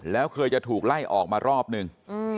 แล้วเคยจะถูกไล่ออกมารอบนึง